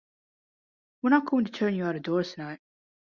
We’re not going to turn you out-of-doors tonight.